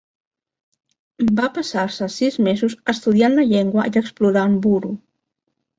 Va passar-se sis mesos estudiant la llengua i explorant Buru.